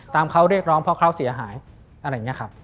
เขาเรียกร้องเพราะเขาเสียหายอะไรอย่างนี้ครับ